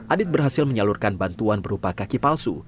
adit berhasil menyalurkan bantuan berupa kaki palsu